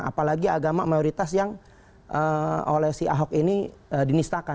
apalagi agama mayoritas yang oleh si ahok ini dinistakan